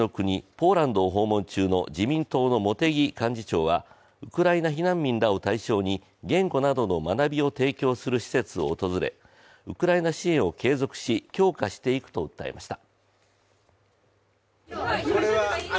ポーランドを訪問中の自民党の茂木幹事長は、ウクライナ避難民などを対象に言語などの学びを提供する施設を訪れウクライナ支援を継続し強化していくと訴えました。